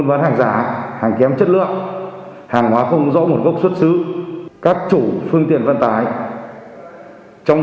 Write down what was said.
tuy nhiên đề nghị mọi người dân nói chung chủ phương tiện vận tải nói riêng